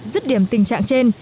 rứt điểm tình trạng trên